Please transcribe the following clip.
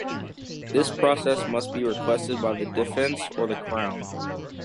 This process must be requested by the defence or the Crown.